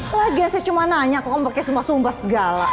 lagi aja saya cuma nanya kok kamu pake sumpah sumpah segala